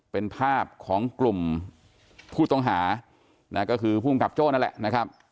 เป็นภาพของกลุ่มผู้ต้องหานะก็คือภูมิกับโจ้นั่นแหละนะครับ